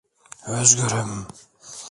Özgürüm!